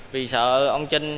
vì sợ ông trinh